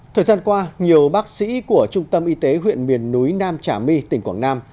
thời gian qua nhiều bác sĩ của trung tâm y tế huyện miền núi nam trà my tỉnh quảng nam